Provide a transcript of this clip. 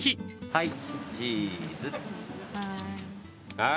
はい！